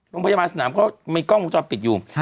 โรงพยาบาลสนามเขามีกล้องวงจรปิดอยู่